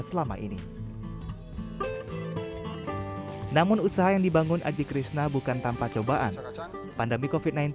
selama ini namun usaha yang dibangun aji krishna bukan tanpa cobaan pandemi kofit sembilan belas